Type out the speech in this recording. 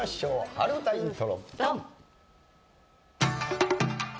春うたイントロドン！